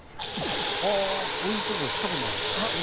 はあこういうとこ来たことなかったな。